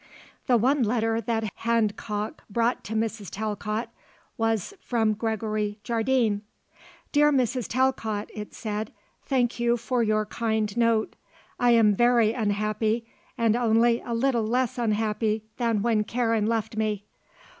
The one letter that Handcock brought to Mrs. Talcott was from Gregory Jardine: "Dear Mrs. Talcott," it said, "Thank you for your kind note. I am very unhappy and only a little less unhappy than when Karen left me.